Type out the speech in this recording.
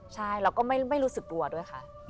ใช่แล้วก็ไม่รู้สึกตัวด้วยค่ะ